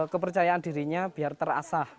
kepercayaan dirinya biar terasah